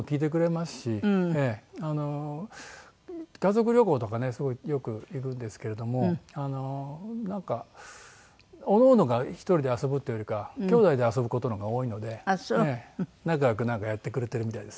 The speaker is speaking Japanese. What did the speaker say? あの家族旅行とかねすごいよく行くんですけれどもなんかおのおのが１人で遊ぶっていうよりかはきょうだいで遊ぶ事の方が多いので仲良くなんかやってくれてるみたいです。